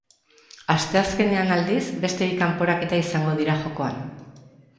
Asteazkenean, aldiz, beste bi kanporaketa izango dira jokoan.